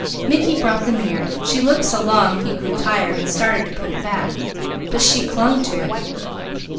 Mickey brought the mirror. She looked so long he grew tired and started to put it back, but she clung to it.